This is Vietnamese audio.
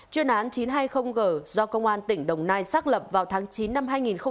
chuyên án chín trăm hai mươi g do công an tỉnh đồng nai xác lập vào tháng chín năm hai nghìn một mươi ba